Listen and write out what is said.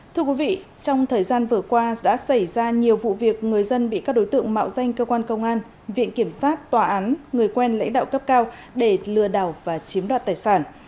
thưa quý vị trong thời gian vừa qua đã xảy ra nhiều vụ việc người dân bị các đối tượng mạo danh cơ quan công an viện kiểm sát tòa án người quen lãnh đạo cấp cao để lừa đảo và chiếm đoạt tài sản